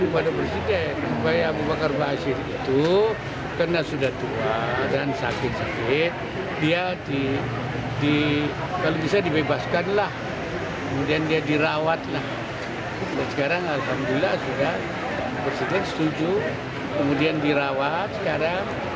presiden setuju kemudian dirawat sekarang